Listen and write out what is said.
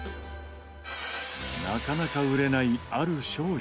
なかなか売れないある商品が。